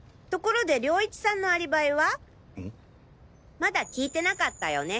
まだ聞いてなかったよね。